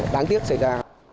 đáng tiếc xảy ra